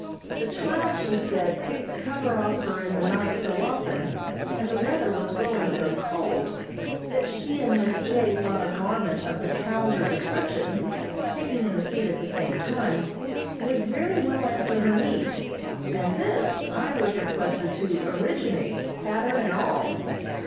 The child, she said, kicked the cover off her in the night so often, and the weather was growing so cold, that she and Miss J. thought a garment of the trouser description, taking in the feet at the same time, would very well answer her needs, and this I was requested to originate, pattern and all.